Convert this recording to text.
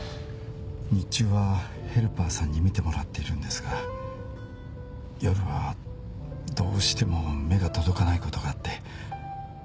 日中はヘルパーさんに見てもらっているんですが夜はどうしても目が届かないことがあって。